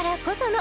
の